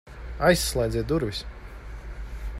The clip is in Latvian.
Aizslēdziet durvis!